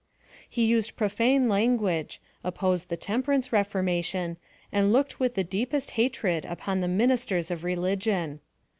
He used profane language, opposed the temperance reformation, and looked with the deepest hatred upon the ministers of religion.